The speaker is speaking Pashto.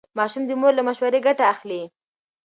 ماشوم د مور له مشورې ګټه اخلي.